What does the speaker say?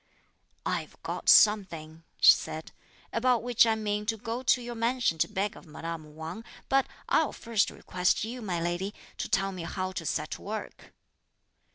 "I've got something," she said, "about which I mean to go to your mansion to beg of madame Wang; but I'll first request you, my lady, to tell me how to set to work."